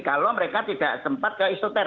kalau mereka tidak sempat ke isoter